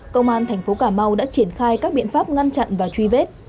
công an thành phố cà mau đã triển khai các biện pháp ngăn chặn và truy vết